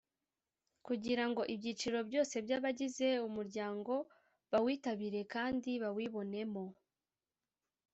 kugira ngo ibyiciro byose by’abagize umuryango bawitabire kandi bawibonemo.